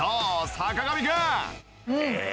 坂上くん。